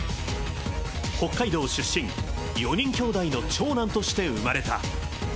北海道出身、４人兄弟の長男として生まれた。